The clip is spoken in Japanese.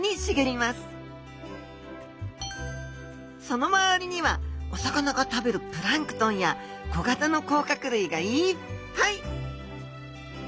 その周りにはお魚が食べるプランクトンや小型の甲殻類がいっぱい！